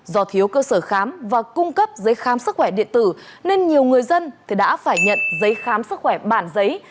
do thiếu cơ sở khám và cung cấp giấy khám sức khỏe điện tử nên nhiều người dân đã phải nhận giấy khám sức khỏe bản giấy